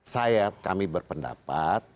saya kami berpendapat